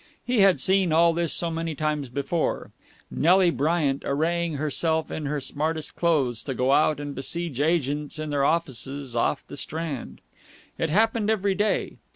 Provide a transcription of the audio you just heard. He had seen all this so many times before Nelly Bryant arraying herself in her smartest clothes to go out and besiege agents in their offices off the Strand. It happened every day.